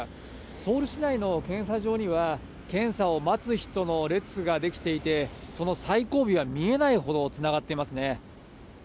ソウル市内の検査場には、検査を待つ人の列が出来ていて、その最後尾は見えないほどつながっていますね。